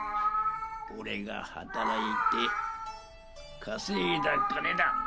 俺が働いて稼いだ金だ。